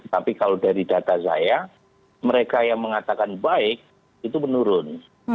tapi kalau dari data saya mereka yang mengatakan baik itu menurun